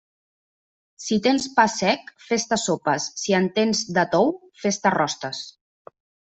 Si tens pa sec, fes-te sopes, i si en tens de tou, fes-te rostes.